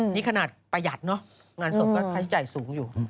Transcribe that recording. นี่ขนาดประหยัดเนอะงานศพก็ค่าใช้จ่ายสูงอยู่